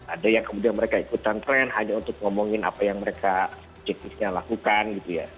ada yang kemudian mereka ikutan tren hanya untuk ngomongin apa yang mereka cikniknya lakukan gitu ya